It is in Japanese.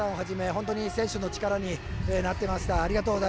本当に選手の力になりました。